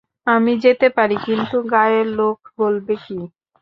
আমি যেতে পারি নিয়ে, গাঁয়ের লোক বলবে কী?